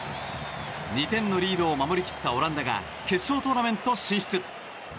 ２点のリードを守り切ったオランダが決勝トーナメント進出。